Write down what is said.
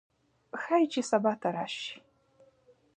ښايي چې سبا ته راشي